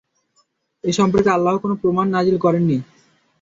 এ সম্পর্কে আল্লাহ্ কোন প্রমাণ নাজিল করেননি।